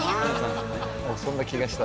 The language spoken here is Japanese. そんな気がした。